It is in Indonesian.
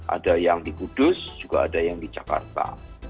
ada yang di kudus juga ada yang di jakarta